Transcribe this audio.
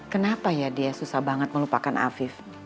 kenapa ya dia susah banget melupakan afif